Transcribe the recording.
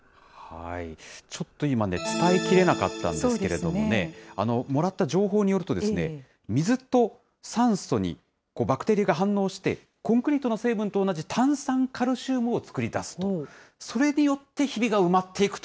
ちょっと今ね、伝えきれなかったんですけれどもね、もらった情報によるとですね、水と酸素にバクテリアが反応して、コンクリートの成分と同じ炭酸カルシウムを作り出すと。